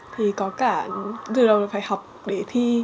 thì có cả từ đầu là phải học để thi